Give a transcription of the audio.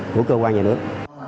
của cơ quan nhà nước